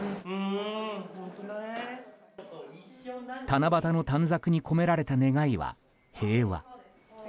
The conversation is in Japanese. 七夕の短冊に込められた願いは「平和」。